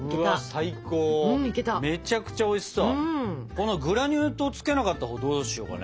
このグラニュー糖つけなかったほうどうしようかね？